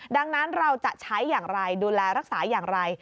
ดังนั้นเราจะใช้อย่างไรดูแลรักษาอย่างไร